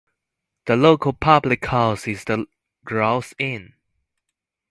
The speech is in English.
The local public house is The Grouse Inn.